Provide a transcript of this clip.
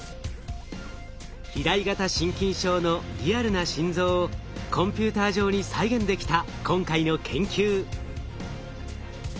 肥大型心筋症のリアルな心臓をコンピューター上に再現できた今回の研究。